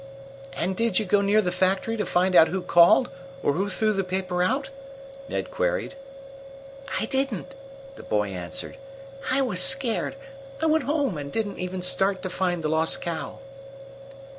"And did you go near the factory to find out who called or who threw the paper out?" Ned queried. "I didn't," the boy answered. "I was scared. I went home, and didn't even start to find the lost cow.